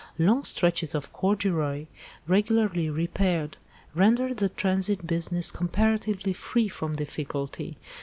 Long stretches of corduroy, regularly repaired, rendered the transit business comparatively free from difficulty.